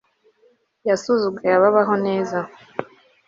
Yasuzuguye ababaho neza